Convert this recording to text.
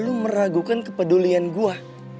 lu meragukan kepedulian gue